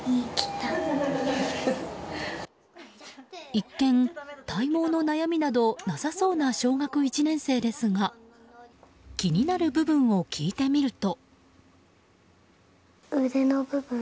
一見、体毛の悩みなどなさそうな小学１年生ですが気になる部分を聞いてみると。